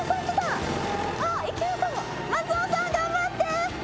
松尾さん頑張って！